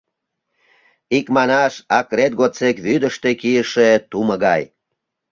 Икманаш, акрет годсек вӱдыштӧ кийыше тумо гай.